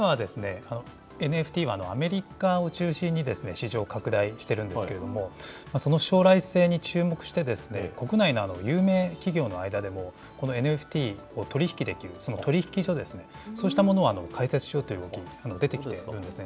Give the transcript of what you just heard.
そうですね、今はですね、ＮＦＴはアメリカを中心に、市場を拡大しているんですけれども、その将来性に注目して、国内の有名企業の間でも、このＮＦＴを取り引きできる、取引所ですね、そうしたものを開設しようという動き、出てきているんですね。